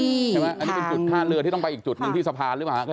นี่เป็นจุดทามเรือที่ต้องไปอีกจุดหนึ่งที่สะพานหรือเปล่าค่ะ